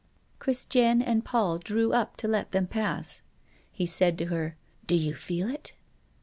Christiane and Paul drew up to let them pass. He said to her: "Do you feel it?"